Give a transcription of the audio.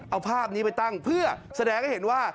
เอาภาพนี้ไปตั้งเพื่อแสดงให้เห็นว่า